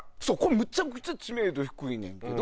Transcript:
むちゃくちゃ知名度低いねんけど。